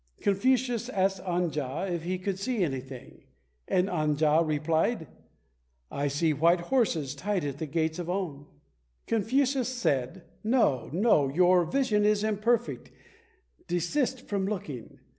Confucius asked An ja if he could see anything, and An ja replied, "I see white horses tied at the gates of On." Confucius said, "No, no, your vision is imperfect, desist from looking.